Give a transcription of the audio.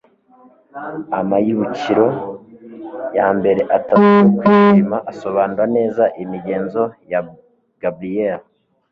amayibukiro ya mbere atatu yo kwishima asobanura neza iyi migenzo gabriyeli